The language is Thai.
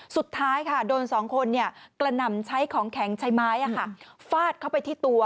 สุดท้ายค่ะโดนสองคนกระหน่ำใช้ของแข็งใช้ไม้ฟาดเข้าไปที่ตัว